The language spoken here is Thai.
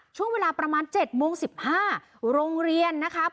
ช่วงเวลาประมาณ๗โมง๑๕โรงเรียนนะครับ